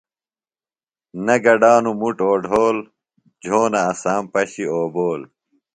نہ گڈانوۡ مُٹ اوڈھول، جھونہ اسام پشیۡ اوبول